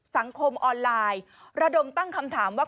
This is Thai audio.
สังคมออนไลน์ระดมตั้งคำถามว่า